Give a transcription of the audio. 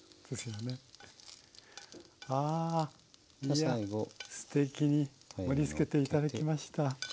いやすてきに盛りつけて頂きました。